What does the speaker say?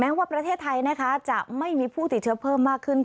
ว่าประเทศไทยนะคะจะไม่มีผู้ติดเชื้อเพิ่มมากขึ้น